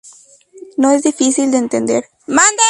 No es difícil de entender.